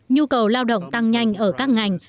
nhu cầu lao động tăng nhanh ở các ngành